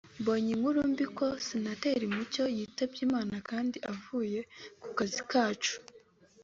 “Mbonye inkuru mbi ko Senateri Mucyo yitabye Imana kandi aguye ku kazi kacu